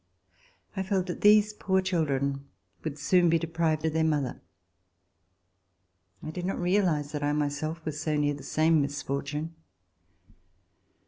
I felt that these poor children would soon be deprived of their mother. I did not realize that I myself was so near the same misfortune.